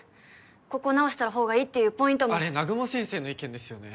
ここ直した方がいいっていうポイントもあれ南雲先生の意見ですよね？